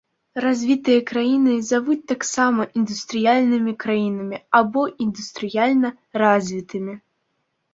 Развітыя краіны завуць таксама індустрыяльнымі краінамі або індустрыяльна развітымі.